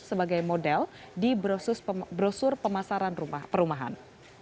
sebagai model di brosus perumahan